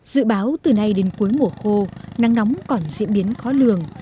dự báo từ nay đến cuối mùa khô nắng nóng còn diễn biến khó lường